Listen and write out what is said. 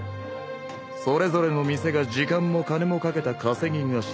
それぞれの店が時間も金もかけた稼ぎ頭。